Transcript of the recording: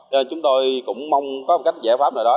cho nên chúng tôi cũng mong có một cách giải pháp nào đó